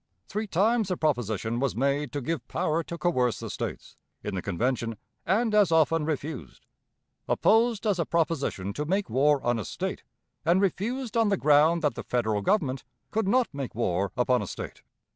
Three times the proposition was made to give power to coerce the States, in the Convention, and as often refused opposed as a proposition to make war on a State, and refused on the ground that the Federal Government could not make war upon a State.